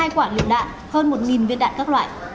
hai quả lựu đạn hơn một viên đạn các loại